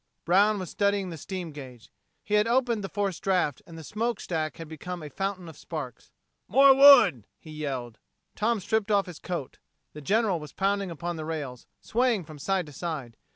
Brown was studying the steam gauge. He had opened the forced draft and the smoke stack had become a fountain of sparks. "More wood!" he yelled. Tom stripped off his coat. The General was pounding upon the rails, swaying from side to side.